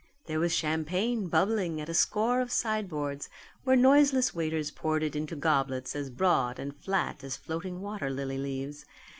There was champagne bubbling at a score of sideboards where noiseless waiters poured it into goblets as broad and flat as floating water lily leaves.